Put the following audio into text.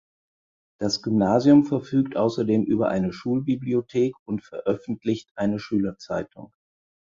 Das Gymnasium verfügt außerdem über eine Schulbibliothek und veröffentlicht eine Schülerzeitung.